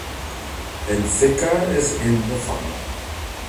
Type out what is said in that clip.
Benfica in the final.